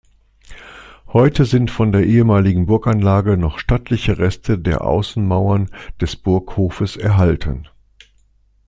Heute sind von der ehemaligen Burganlage noch stattliche Reste der Außenmauern des Burghofes erhalten.